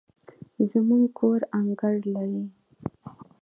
زموږ کور انګړ لري